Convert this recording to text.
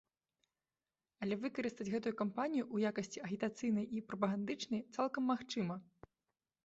Але выкарыстаць гэтую кампанію ў якасці агітацыйнай і прапагандычнай цалкам магчыма.